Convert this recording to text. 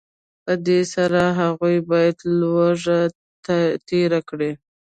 په دې سره هغوی باید لوږه تېره کړي